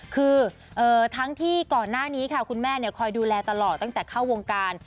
คือทั้งที่ก่อนหน้านี้ค่ะคุณแม่คอยดูแลตลอดตั้งแต่เข้าวงการ